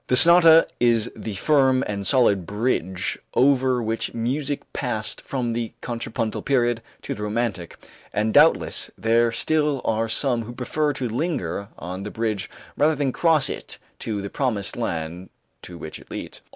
The sonata is the firm and solid bridge over which music passed from the contrapuntal period to the romantic, and doubtless there still are some who prefer to linger on the bridge rather than cross it to the promised land to which it leads.